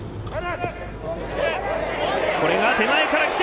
これが手前から来て。